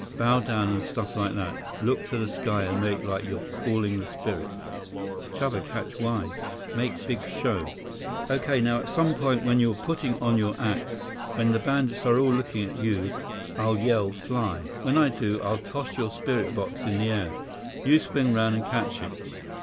Bow down and stuff like that. Look to the sky and make like you're calling the spirit." "Chuba catch wise. Make big show." "Okay. Now, at some point when you're putting on your act, when the bandits are all looking at you, I'll yell 'Fly!' When I do, I'll toss your spirit box into the air. You swing around and catch it.